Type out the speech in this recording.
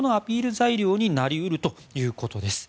材料になり得るということです。